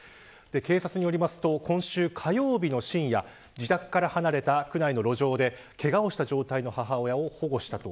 警察によると、今週火曜日の深夜自宅から離れた区内の路上でけがをした状態の母親を保護したと。